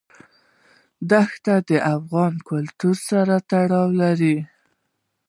دښتې د افغان کلتور سره تړاو لري.